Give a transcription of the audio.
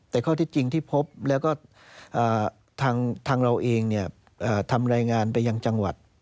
แต่ข้อที่จริงที่พบแล้วก็ทางเราเองทำรายงานไปยังจังหวัด